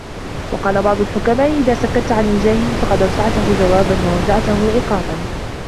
وَقَالَ بَعْضُ الْحُكَمَاءِ إذَا سَكَتَّ عَنْ الْجَاهِلِ فَقَدْ أَوْسَعْتَهُ جَوَابًا وَأَوْجَعْتَهُ عِقَابًا